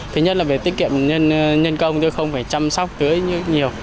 thứ nhất là về tiết kiệm nhân công chứ không phải chăm sóc tưới như nhiều